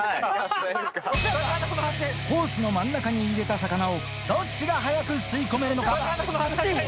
ホースの真ん中に入れた魚をどっちが速く吸い込めるのか。